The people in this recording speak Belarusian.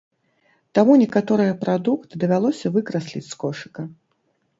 Таму некаторыя прадукты давялося выкрасліць з кошыка.